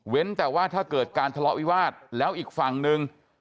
แต่ว่าถ้าเกิดการทะเลาะวิวาสแล้วอีกฝั่งหนึ่ง